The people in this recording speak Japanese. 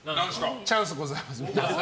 チャンスございます。